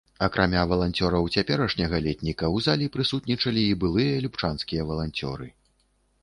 Акрамя валанцёраў цяперашняга летніка, у залі прысутнічалі і былыя любчанскія валанцёры.